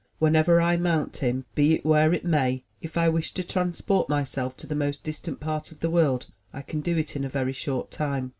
Whenever I mount him, be it where it may, if I wish to transport myself to the most distant part of the world, I can do it in a very short time.